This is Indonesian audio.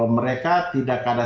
mereka tidak ada